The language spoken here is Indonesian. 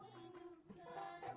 membuat aku rindu siang malam